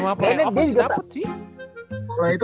kenapa dia juga sapu sih